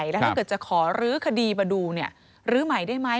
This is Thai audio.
แล้วถ้าเกิดจะขอรื้อคดีมาดูลื้อใหม่ได้ไหม